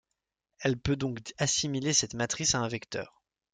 On peut donc assimiler cette matrice à un vecteur.